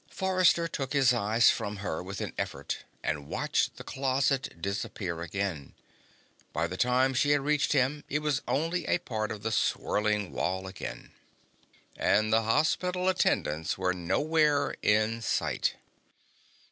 Forrester took his eyes from her with an effort and watched the closet disappear again. By the time she had reached him, it was only a part of the swirling wall again. And the hospital attendants were nowhere in sight.